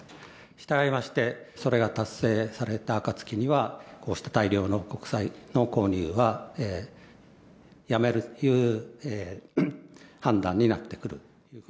したがいまして、それが達成された暁には、こうした大量の国債の購入は、やめるという判断になってくる。